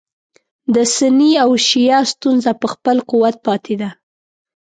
د سني او شیعه ستونزه په خپل قوت پاتې ده.